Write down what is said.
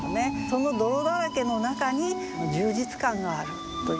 その泥だらけの中に充実感があるということでね。